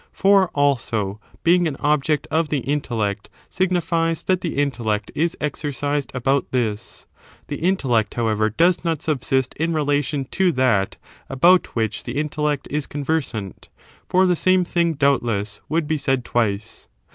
For, also, being an object of the intellect, signifies that the intellect is exercised about this ; the intellect how ever, does not subsist in relation to that about which the intellect is conversant, for the same thing, doubtless, would be said twice.